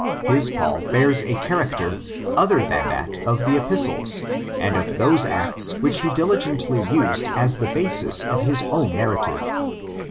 His Paul bears a character other than that of the Epistles, and of those Acts which he diligently used as the basis of his own narrative.